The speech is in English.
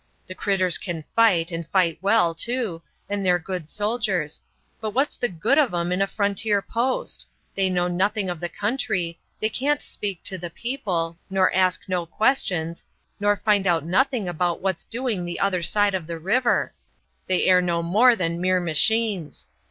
The critters can fight, and fight well, too, and they're good soldiers; but what's the good of 'em in a frontier post? They know nothing of the country; they can't speak to the people, nor ask no questions, nor find out nothing about what's doing the other side of the river. They air no more than mere machines.